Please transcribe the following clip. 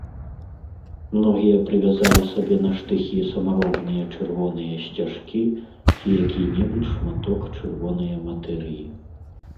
Многія прывязалі сабе на штыхі самаробныя чырвоныя сцяжкі ці які-небудзь шматок чырвонае матэрыі.